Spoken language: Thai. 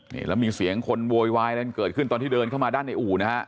นี่แล้วมีเสียงคนโวยวายอะไรเกิดขึ้นตอนที่เดินเข้ามาด้านในอู่นะฮะ